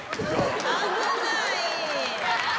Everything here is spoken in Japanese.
危ない！